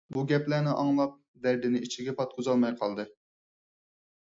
بۇ گەپلەرنى ئاڭلاپ، دەردىنى ئىچىگە پاتقۇزالماي قالدى.